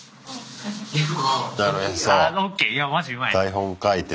台本書いて。